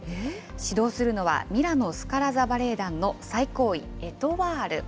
指導するのは、ミラノ・スカラ座バレエ団の最高位、エトワール。